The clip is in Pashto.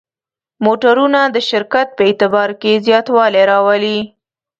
موټرونه د شرکت په اعتبار کې زیاتوالی راولي.